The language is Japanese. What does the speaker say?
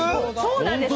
そうなんです。